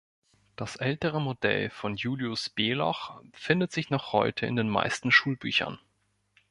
Das ältere Modell von Julius Beloch findet sich noch heute in den meisten Schulbüchern.